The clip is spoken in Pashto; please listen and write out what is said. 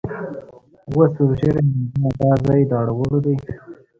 وه سور ږیریه مولا دا ځای د اړولو دی